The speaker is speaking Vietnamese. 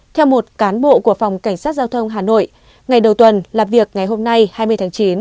theo một cán bộ của phòng cảnh sát giao thông hà nội ngày đầu tuần làm việc ngày hôm nay hai mươi tháng chín